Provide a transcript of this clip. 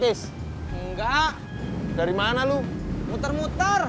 hai holidays enggak dari mana lu muter muter